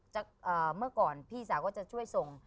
จากเอ่อเมื่อก่อนพี่สาวก็จะช่วยส่ง